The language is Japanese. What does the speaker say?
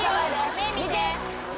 目見て。